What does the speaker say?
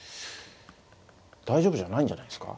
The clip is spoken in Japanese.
大丈夫じゃないんじゃないですか。